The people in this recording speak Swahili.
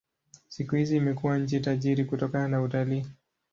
Siku hizi imekuwa nchi tajiri kutokana na utalii.